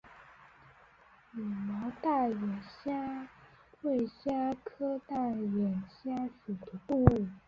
绒毛大眼蟹为沙蟹科大眼蟹属的动物。